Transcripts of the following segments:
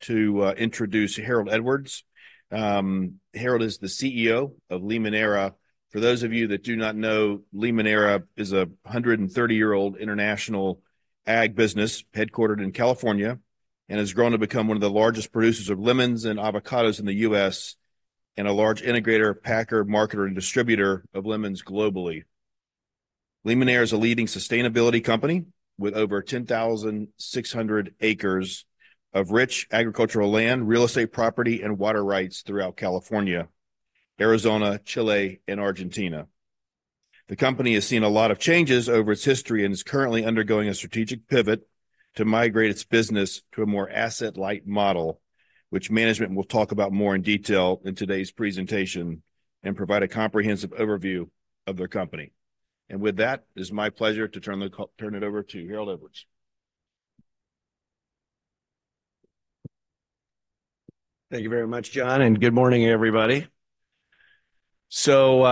to introduce Harold Edwards. Harold is the CEO of Limoneira. For those of you that do not know, Limoneira is a 130-year-old international ag business headquartered in California, and has grown to become one of the largest producers of lemons and avocados in the U.S., and a large integrator, packer, marketer, and distributor of lemons globally. Limoneira is a leading sustainability company with over 10,600 acres of rich agricultural land, real estate property, and water rights throughout California, Arizona, Chile, and Argentina. The company has seen a lot of changes over its history and is currently undergoing a strategic pivot to migrate its business to a more asset-light model, which management will talk about more in detail in today's presentation and provide a comprehensive overview of their company. And with that, it's my pleasure to turn it over to Harold Edwards. Thank you very much, John, and good morning, everybody. So,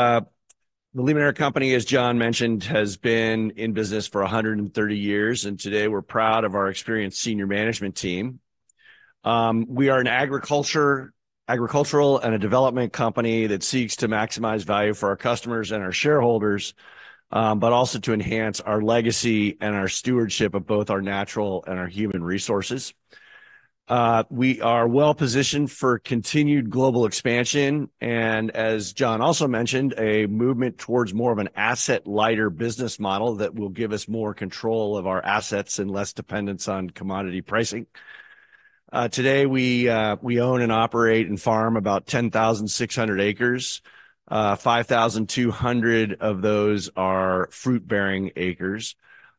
the Limoneira Company, as John mentioned, has been in business for 130 years, and today we're proud of our experienced senior management team. We are an agricultural and a development company that seeks to maximize value for our customers and our shareholders, but also to enhance our legacy and our stewardship of both our natural and our human resources. We are well-positioned for continued global expansion and, as John also mentioned, a movement towards more of an asset-lighter business model that will give us more control of our assets and less dependence on commodity pricing. Today, we own and operate and farm about 10,600 acres. Five thousand two hundred of those are fruit-bearing acres.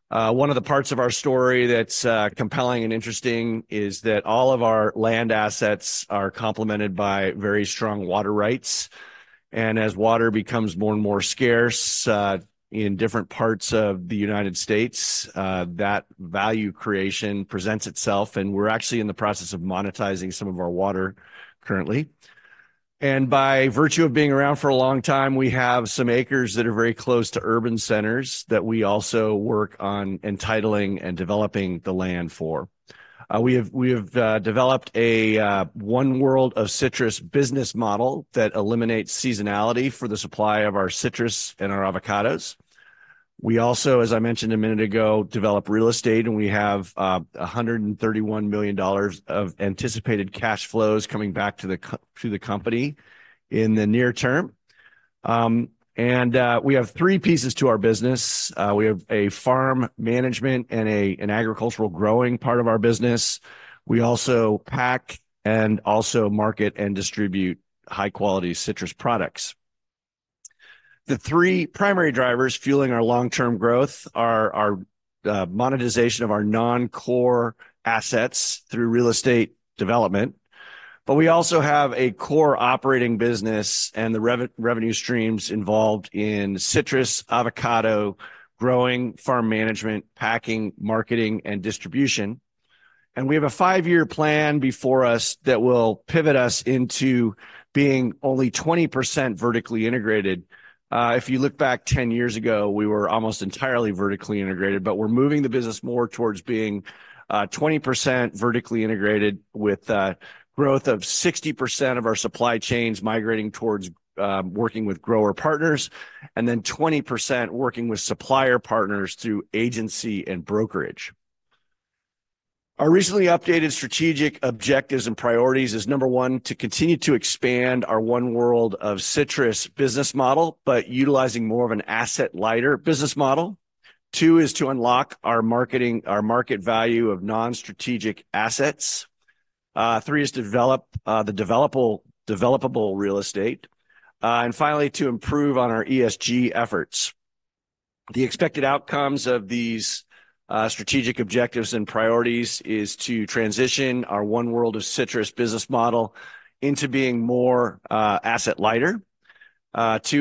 One of the parts of our story that's compelling and interesting is that all of our land assets are complemented by very strong water rights. As water becomes more and more scarce in different parts of the United States, that value creation presents itself, and we're actually in the process of monetizing some of our water currently. By virtue of being around for a long time, we have some acres that are very close to urban centers that we also work on entitling and developing the land for. We have developed a One World of Citrus business model that eliminates seasonality for the supply of our citrus and our avocados. We also, as I mentioned a minute ago, develop real estate, and we have $131 million of anticipated cash flows coming back to the company in the near term. We have three pieces to our business. We have a farm management and an agricultural growing part of our business. We also pack and also market and distribute high-quality citrus products. The three primary drivers fueling our long-term growth are our monetization of our non-core assets through real estate development, but we also have a core operating business and the revenue streams involved in citrus, avocado growing, farm management, packing, marketing, and distribution. We have a five-year plan before us that will pivot us into being only 20% vertically integrated. If you look back 10 years ago, we were almost entirely vertically integrated, but we're moving the business more towards being 20% vertically integrated, with growth of 60% of our supply chains migrating towards working with grower partners, and then 20% working with supplier partners through agency and brokerage. Our recently updated strategic objectives and priorities is 1, to continue to expand our One World of Citrus business model, but utilizing more of an asset-light business model. 2 is to unlock our marketing, our market value of non-strategic assets. 3 is develop the developable real estate. And finally, to improve on our ESG efforts. The expected outcomes of these strategic objectives and priorities is to transition our One World of Citrus business model into being more asset-light. 2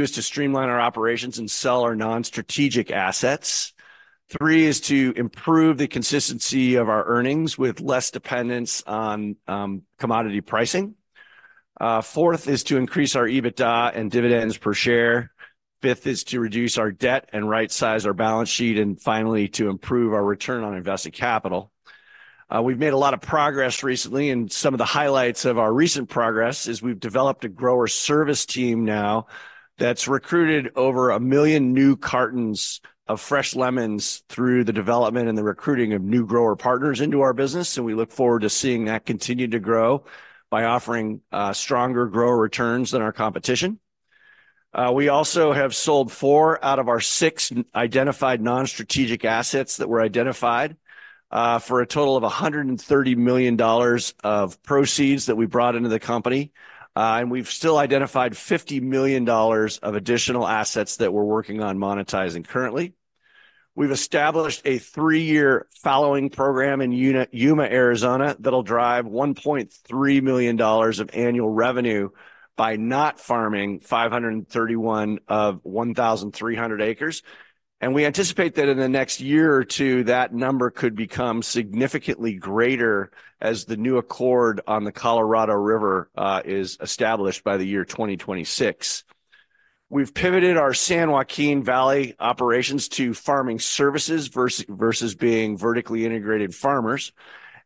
is to streamline our operations and sell our non-strategic assets. 3 is to improve the consistency of our earnings with less dependence on commodity pricing. Fourth is to increase our EBITDA and dividends per share. Fifth is to reduce our debt and rightsize our balance sheet, and finally, to improve our return on invested capital. We've made a lot of progress recently, and some of the highlights of our recent progress is we've developed a grower service team now that's recruited over 1 million new cartons of fresh lemons through the development and the recruiting of new grower partners into our business, and we look forward to seeing that continue to grow by offering stronger grower returns than our competition. We also have sold four out of our six identified non-strategic assets that were identified for a total of $130 million of proceeds that we brought into the company. And we've still identified $50 million of additional assets that we're working on monetizing currently. We've established a three-year fallowing program in Yuma, Arizona, that'll drive $1.3 million of annual revenue by not farming 531 of 1,300 acres. And we anticipate that in the next year or two, that number could become significantly greater as the new accord on the Colorado River is established by the year 2026. We've pivoted our San Joaquin Valley operations to farming services versus being vertically integrated farmers,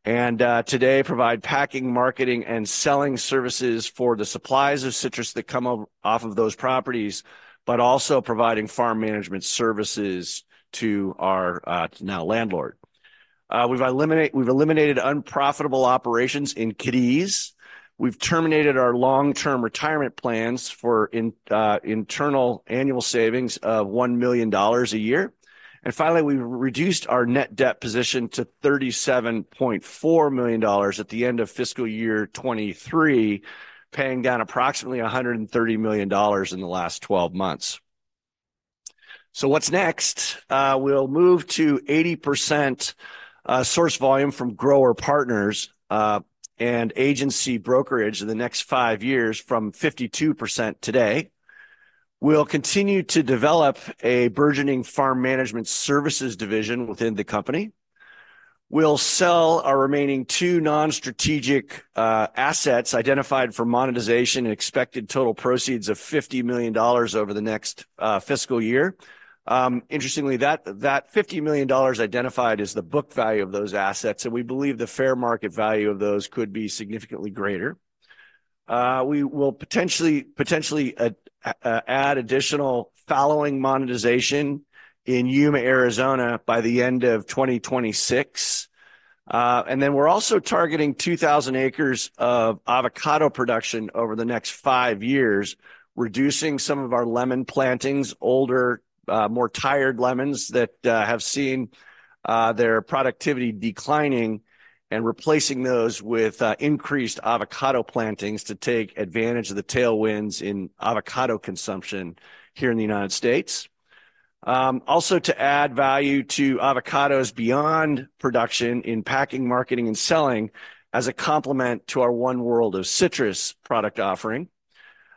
and today provide packing, marketing, and selling services for the supplies of citrus that come off of those properties, but also providing farm management services to our now landlord. We've eliminated unprofitable operations in Cadiz. We've terminated our long-term retirement plans for internal annual savings of $1 million a year. And finally, we've reduced our net debt position to $37.4 million at the end of fiscal year 2023, paying down approximately $130 million in the last 12 months. So what's next? We'll move to 80% source volume from grower partners and agency brokerage in the next five years from 52% today. We'll continue to develop a burgeoning farm management services division within the company. We'll sell our remaining 2 non-strategic assets identified for monetization and expected total proceeds of $50 million over the next fiscal year. Interestingly, that $50 million identified is the book value of those assets, and we believe the fair market value of those could be significantly greater. We will potentially add additional fallowing monetization in Yuma, Arizona, by the end of 2026. And then we're also targeting 2,000 acres of avocado production over the next 5 years, reducing some of our lemon plantings, older more tired lemons that have seen their productivity declining, and replacing those with increased avocado plantings to take advantage of the tailwinds in avocado consumption here in the United States. Also to add value to avocados beyond production in packing, marketing, and selling as a complement to our One World of Citrus product offering.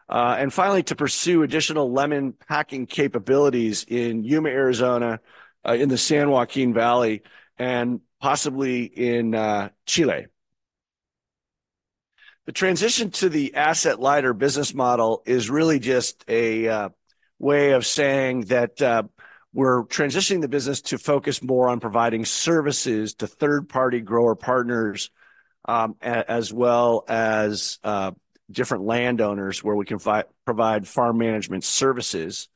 And finally, to pursue additional lemon packing capabilities in Yuma, Arizona, in the San Joaquin Valley, and possibly in Chile. The transition to the asset-lighter business model is really just a way of saying that we're transitioning the business to focus more on providing services to third-party grower partners, as well as different landowners, where we can provide farm management services.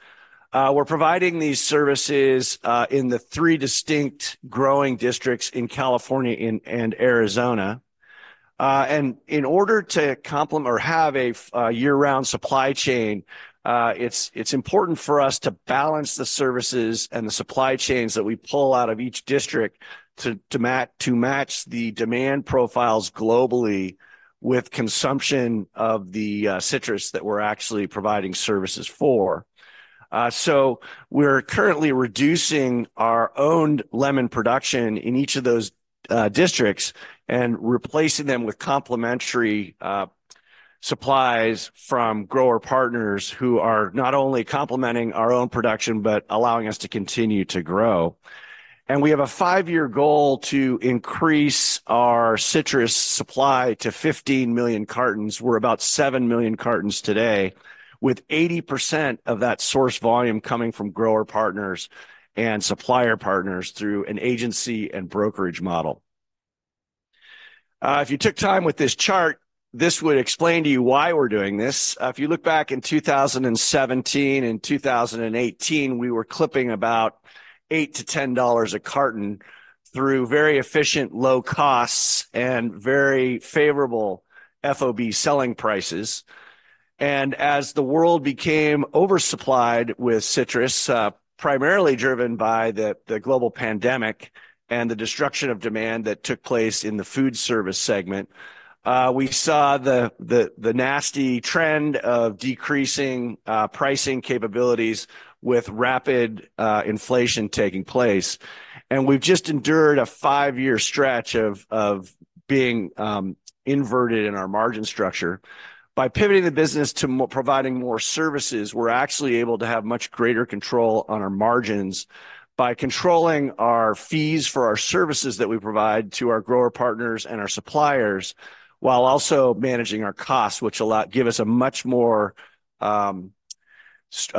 We're providing these services in the three distinct growing districts in California and Arizona. In order to complement or have a year-round supply chain, it's important for us to balance the services and the supply chains that we pull out of each district to match the demand profiles globally with consumption of the citrus that we're actually providing services for. So we're currently reducing our owned lemon production in each of those districts and replacing them with complementary supplies from grower partners who are not only complementing our own production, but allowing us to continue to grow. And we have a five-year goal to increase our citrus supply to 15 million cartons. We're about 7 million cartons today, with 80% of that source volume coming from grower partners and supplier partners through an agency and brokerage model. If you took time with this chart, this would explain to you why we're doing this. If you look back in 2017 and 2018, we were clipping about $8-$10 a carton through very efficient, low costs and very favorable FOB selling prices. And as the world became oversupplied with citrus, primarily driven by the global pandemic and the destruction of demand that took place in the food service segment, we saw the nasty trend of decreasing pricing capabilities with rapid inflation taking place. And we've just endured a 5-year stretch of being inverted in our margin structure. By pivoting the business to providing more services, we're actually able to have much greater control on our margins by controlling our fees for our services that we provide to our grower partners and our suppliers, while also managing our costs, which give us a much more, a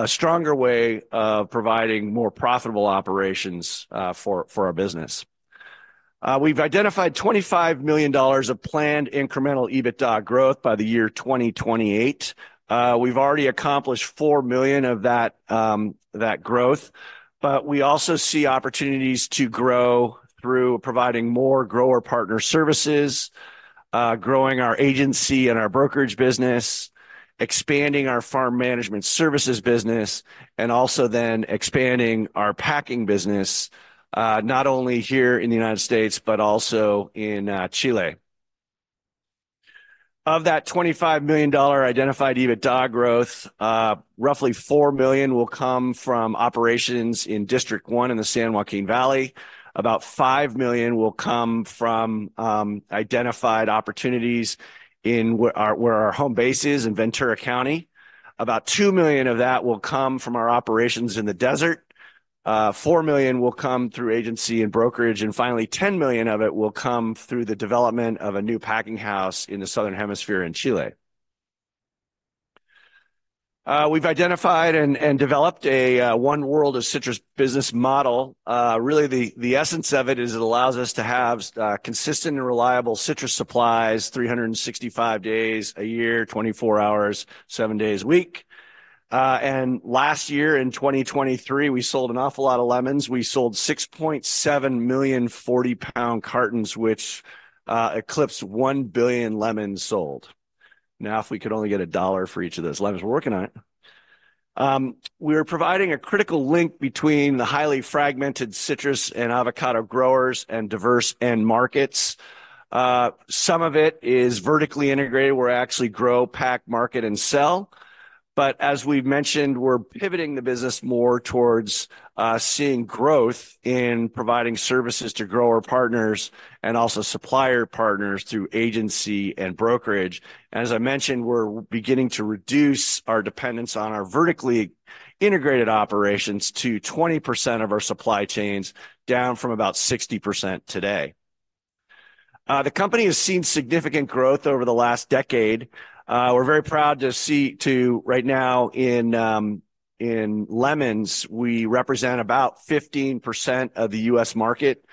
stronger way of providing more profitable operations, for our business. We've identified $25 million of planned incremental EBITDA growth by the year 2028. We've already accomplished $4 million of that, that growth, but we also see opportunities to grow through providing more grower partner services, growing our agency and our brokerage business, expanding our farm management services business, and also then expanding our packing business, not only here in the United States, but also in, Chile. Of that $25 million identified EBITDA growth, roughly $4 million will come from operations in District One in the San Joaquin Valley. About $5 million will come from identified opportunities where our home base is in Ventura County. About $2 million of that will come from our operations in the desert. $4 million will come through agency and brokerage, and finally, $10 million of it will come through the development of a new packing house in the Southern Hemisphere in Chile. We've identified and developed a One World of Citrus business model. Really, the essence of it is it allows us to have consistent and reliable citrus supplies 365 days a year, 24 hours, 7 days a week. And last year, in 2023, we sold an awful lot of lemons. We sold 6.7 million 40-pound cartons, which eclipsed 1 billion lemons sold. Now, if we could only get $1 for each of those lemons. We're working on it. We are providing a critical link between the highly fragmented citrus and avocado growers and diverse end markets. Some of it is vertically integrated, where we actually grow, pack, market, and sell. But as we've mentioned, we're pivoting the business more towards seeing growth in providing services to grower partners and also supplier partners through agency and brokerage. As I mentioned, we're beginning to reduce our dependence on our vertically integrated operations to 20% of our supply chains, down from about 60% today. The company has seen significant growth over the last decade. We're very proud to see, too, right now in lemons, we represent about 15% of the U.S. market.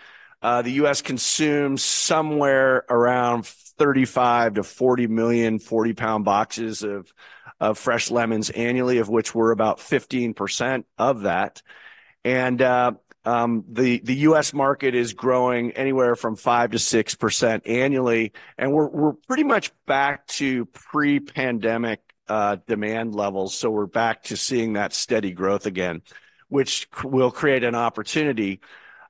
The U.S. consumes somewhere around 35-40 million 40-pound boxes of fresh lemons annually, of which we're about 15% of that. And the U.S. market is growing anywhere from 5%-6% annually, and we're pretty much back to pre-pandemic demand levels, so we're back to seeing that steady growth again, which will create an opportunity.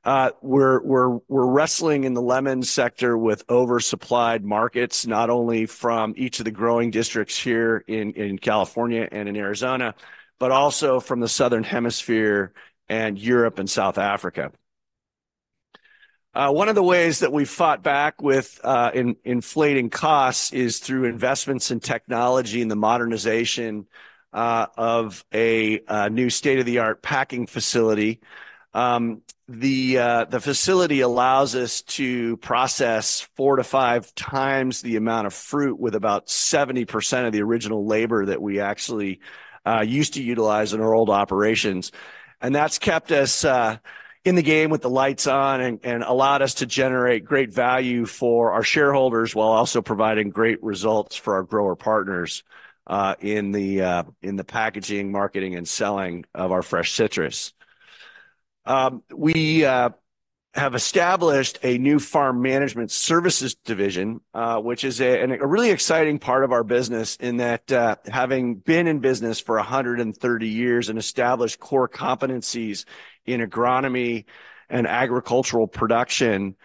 We're wrestling in the lemon sector with oversupplied markets, not only from each of the growing districts here in California and in Arizona, but also from the Southern Hemisphere and Europe and South Africa. One of the ways that we've fought back with in inflating costs is through investments in technology and the modernization of a new state-of-the-art packing facility. The facility allows us to process 4-5 times the amount of fruit with about 70% of the original labor that we actually used to utilize in our old operations, and that's kept us in the game with the lights on and allowed us to generate great value for our shareholders, while also providing great results for our grower partners in the packaging, marketing, and selling of our fresh citrus. We have established a new farm management services division, which is a really exciting part of our business in that, having been in business for 130 years and established core competencies in agronomy and agricultural production,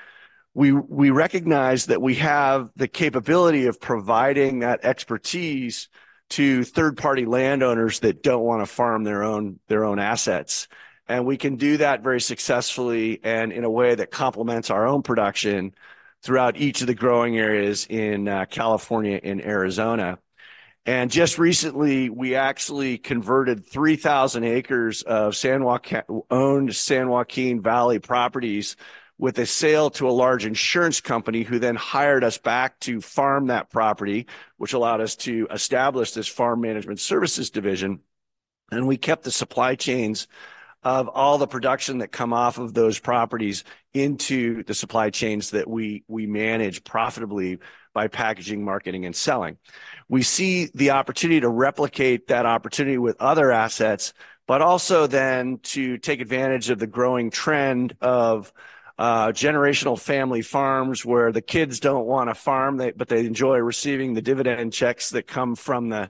we recognize that we have the capability of providing that expertise to third-party landowners that don't wanna farm their own assets. We can do that very successfully and in a way that complements our own production throughout each of the growing areas in California and Arizona. Just recently, we actually converted 3,000 acres of owned San Joaquin Valley properties with a sale to a large insurance company, who then hired us back to farm that property, which allowed us to establish this farm management services division. We kept the supply chains of all the production that come off of those properties into the supply chains that we manage profitably by packaging, marketing, and selling. We see the opportunity to replicate that opportunity with other assets, but also then to take advantage of the growing trend of generational family farms, where the kids don't want to farm, but they enjoy receiving the dividend checks that come from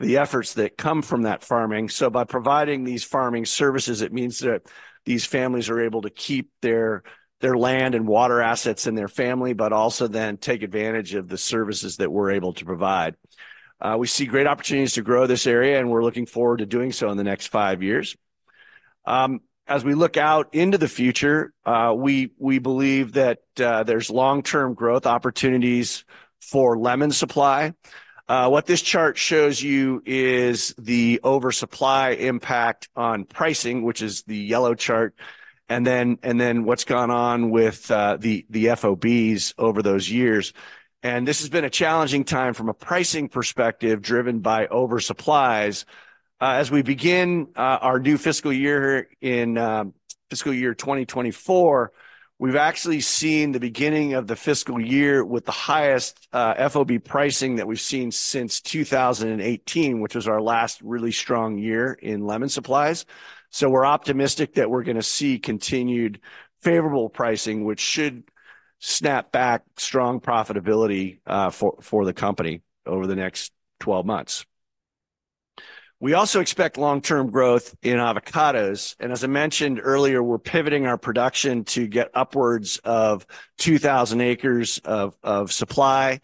the efforts that come from that farming. So by providing these farming services, it means that these families are able to keep their land and water assets in their family, but also then take advantage of the services that we're able to provide. We see great opportunities to grow this area, and we're looking forward to doing so in the next five years. As we look out into the future, we believe that there's long-term growth opportunities for lemon supply. What this chart shows you is the oversupply impact on pricing, which is the yellow chart, and then what's gone on with the FOBs over those years, and this has been a challenging time from a pricing perspective, driven by oversupplies. As we begin our new fiscal year in fiscal year 2024, we've actually seen the beginning of the fiscal year with the highest FOB pricing that we've seen since 2018, which was our last really strong year in lemon supplies. So we're optimistic that we're gonna see continued favorable pricing, which should snap back strong profitability for the company over the next 12 months. We also expect long-term growth in avocados, and as I mentioned earlier, we're pivoting our production to get upwards of 2,000 acres of supply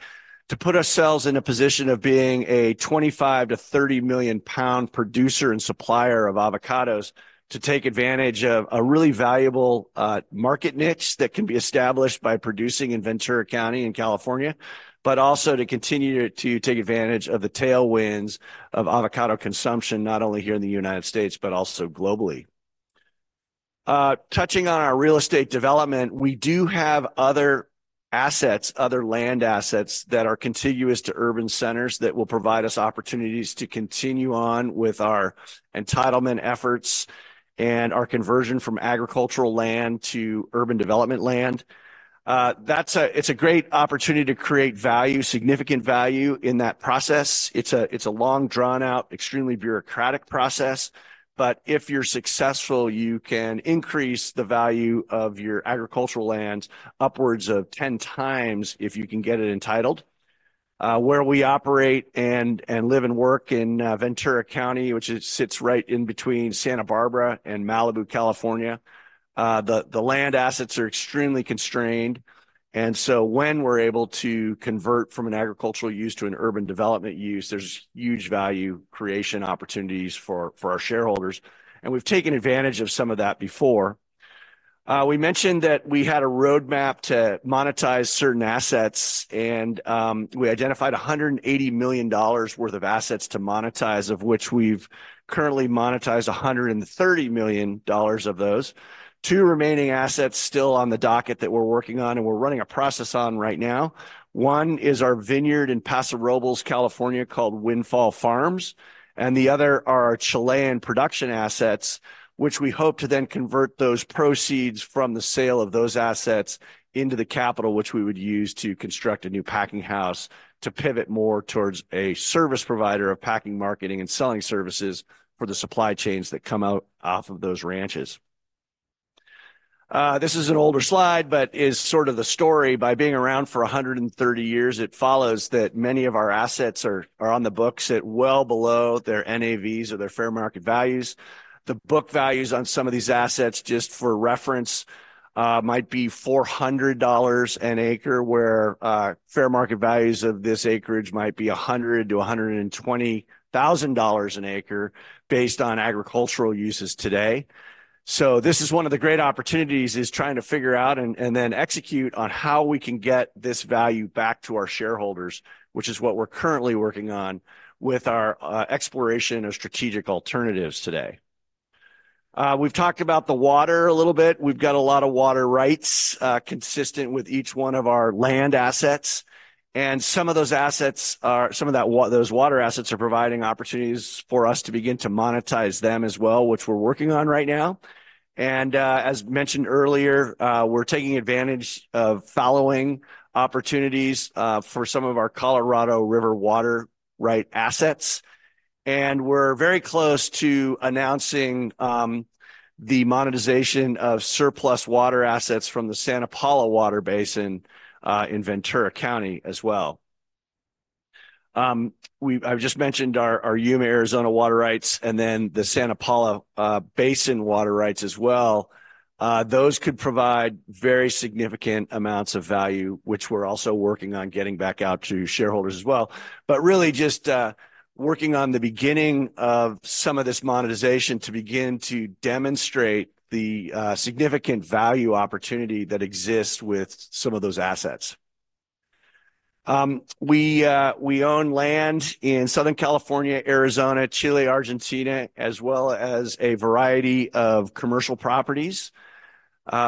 to put ourselves in a position of being a 25-30 million pound producer and supplier of avocados, to take advantage of a really valuable market niche that can be established by producing in Ventura County in California, but also to continue to take advantage of the tailwinds of avocado consumption, not only here in the United States, but also globally. Touching on our real estate development, we do have other assets, other land assets, that are contiguous to urban centers that will provide us opportunities to continue on with our entitlement efforts and our conversion from agricultural land to urban development land. That's it's a great opportunity to create value, significant value, in that process. It's a long, drawn-out, extremely bureaucratic process, but if you're successful, you can increase the value of your agricultural land upwards of 10 times if you can get it entitled. Where we operate and live and work in Ventura County, which it sits right in between Santa Barbara and Malibu, California, the land assets are extremely constrained, and so when we're able to convert from an agricultural use to an urban development use, there's huge value creation opportunities for our shareholders, and we've taken advantage of some of that before. We mentioned that we had a roadmap to monetize certain assets, and we identified $180 million worth of assets to monetize, of which we've currently monetized $130 million of those. Two remaining assets still on the docket that we're working on and we're running a process on right now, one is our vineyard in Paso Robles, California, called Windfall Farms, and the other are our Chilean production assets, which we hope to then convert those proceeds from the sale of those assets into the capital which we would use to construct a new packing house to pivot more towards a service provider of packing, marketing, and selling services for the supply chains that come out off of those ranches. This is an older slide, but is sort of the story. By being around for 130 years, it follows that many of our assets are on the books at well below their NAVs or their fair market values. The book values on some of these assets, just for reference, might be $400 an acre, where fair market values of this acreage might be $100,000-$120,000 an acre based on agricultural uses today. So this is one of the great opportunities, is trying to figure out and then execute on how we can get this value back to our shareholders, which is what we're currently working on with our exploration of strategic alternatives today. We've talked about the water a little bit. We've got a lot of water rights, consistent with each one of our land assets, and some of those assets are... Some of those water assets are providing opportunities for us to begin to monetize them as well, which we're working on right now. As mentioned earlier, we're taking advantage of fallowing opportunities for some of our Colorado River water rights assets, and we're very close to announcing the monetization of surplus water assets from the Santa Paula Water Basin in Ventura County as well. I've just mentioned our Yuma, Arizona, water rights and then the Santa Paula Basin water rights as well. Those could provide very significant amounts of value, which we're also working on getting back out to shareholders as well. But really just working on the beginning of some of this monetization to begin to demonstrate the significant value opportunity that exists with some of those assets. We own land in Southern California, Arizona, Chile, Argentina, as well as a variety of commercial properties.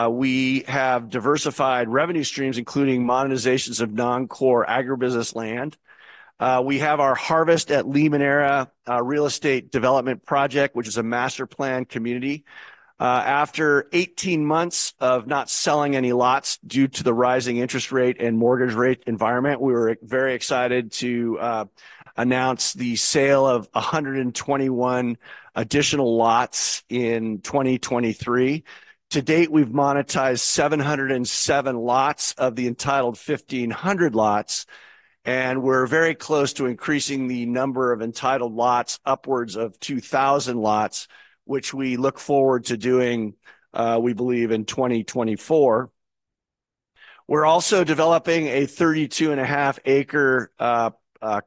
We have diversified revenue streams, including monetizations of non-core agribusiness land. We have our Harvest at Limoneira real estate development project, which is a master planned community. After 18 months of not selling any lots due to the rising interest rate and mortgage rate environment, we were very excited to announce the sale of 121 additional lots in 2023. To date, we've monetized 707 lots of the entitled 1,500 lots, and we're very close to increasing the number of entitled lots upwards of 2,000 lots, which we look forward to doing, we believe in 2024. We're also developing a 32.5-acre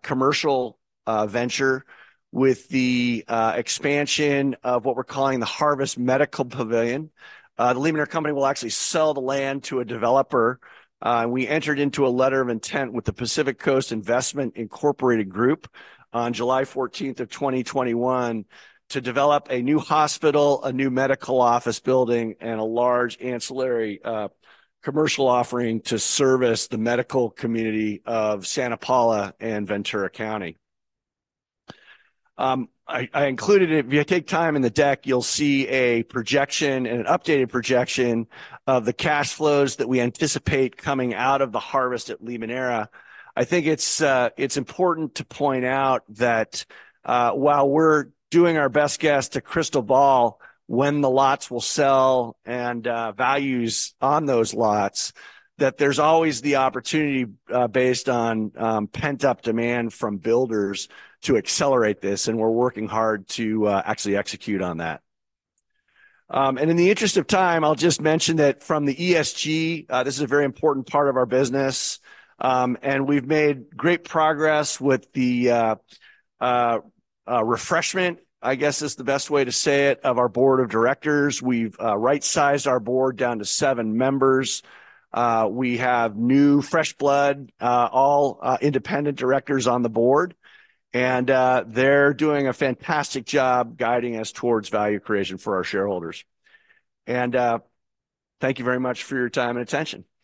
commercial venture with the expansion of what we're calling the Harvest Medical Pavilion. The Limoneira Company will actually sell the land to a developer. We entered into a letter of intent with the Pacific Coast Investments group on July 14th of 2021 to develop a new hospital, a new medical office building, and a large ancillary commercial offering to service the medical community of Santa Paula and Ventura County. I included it; if you take time in the deck, you'll see a projection and an updated projection of the cash flows that we anticipate coming out of the Harvest at Limoneira. I think it's important to point out that while we're doing our best guess to crystal ball when the lots will sell and values on those lots, that there's always the opportunity based on pent-up demand from builders to accelerate this, and we're working hard to actually execute on that. In the interest of time, I'll just mention that from the ESG, this is a very important part of our business, and we've made great progress with the refreshment, I guess, is the best way to say it, of our Board of Directors. We've right-sized our Board down to seven members. We have new, fresh blood, all independent directors on the Board, and they're doing a fantastic job guiding us towards value creation for our shareholders. Thank you very much for your time and attention.